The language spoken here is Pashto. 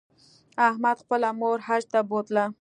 احمد خپله مور حج ته بوتله.